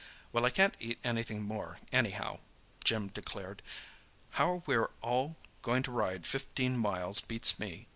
"Well, I can't eat anything more, anyhow," Jim declared. "How we're all going to ride fifteen miles beats me.